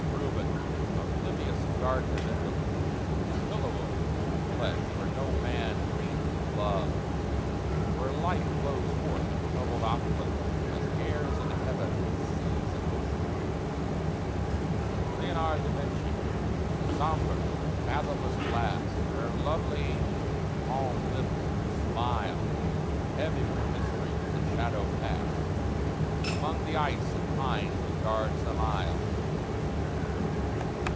RUBENS, oblivious garden of indolence, Pillow of cool flesh where no man dreams of love, Where life flows forth in troubled opulence, As airs in heaven and seas in ocean move, LEONARD DA VINCI, sombre and fathomless glass, Where lovely angels with calm lips that smile, Heavy with mystery, in the shadow pass, Among the ice and pines that guard some isle.